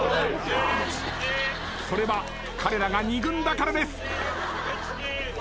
それは彼らが二軍だからです。